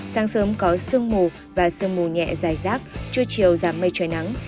sáng sớm có sương mù và sương mù nhẹ dài rác trưa chiều giảm mây trời nắng